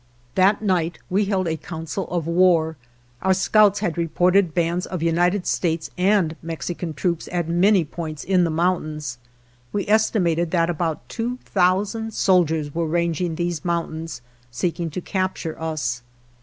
That night we held a council of war; our scouts had reported bands of United States and Mexican troops at many points in the mountains. We estimated that about two thousand soldiers were ranging these moun tains seeking to capture us.